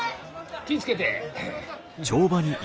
気ぃ付けて！